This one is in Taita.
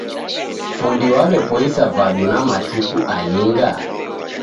Fundi waw'epoisa vadu na matuku alinga?